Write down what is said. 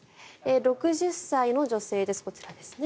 ６０歳の女性です。